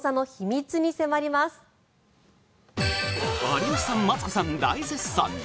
有吉さん、マツコさん大絶賛。